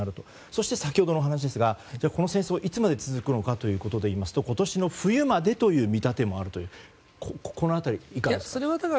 そして、先ほどの話ですがこの戦争がいつまで続くかということでいうと今年の冬までという見立てもあるということですがいかがですか？